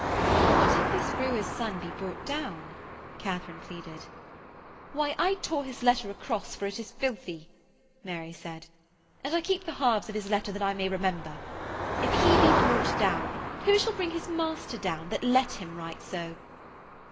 'But if this brewer's son be brought down?' Katharine pleaded. 'Why, I tore his letter across for it is filthy,' Mary said, 'and I keep the halves of his letter that I may remember. If he be brought down, who shall bring his master down that let him write so?'